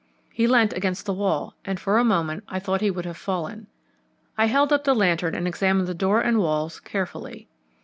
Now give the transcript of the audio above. He leant against the wall and for a moment I thought he would have fallen. I held up the lantern and examined the door and walls carefully.